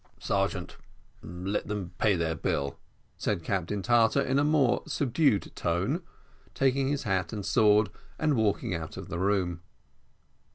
"Sergeant, let them pay their bill," said Captain Tartar, in a more subdued tone taking his hat and sword, and walking out of the room.